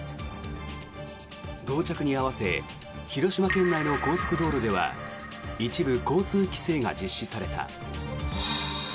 到着に合わせ広島県内の高速道路では一部、交通規制が実施された。